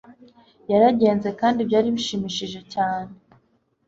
Yaragenze kandi byari bishimishije cyane.